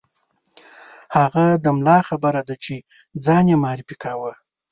هغه د ملا خبره ده چې ځان یې معرفي کاوه.